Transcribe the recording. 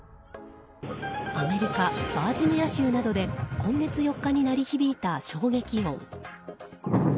アメリカ・バージニア州などで今月４日に鳴り響いた衝撃音。